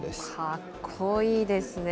かっこいいですね。